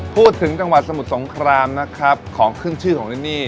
พูดถึงจังหวัดสมุทรสงครามของขึ้นชื่อของตรงนี้